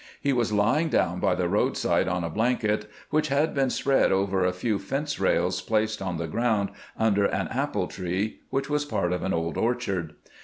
He was lying down by the roadside on a blanket which had been spread over a few fence rails placed on the ground under an apple tree which was part of an old orchard.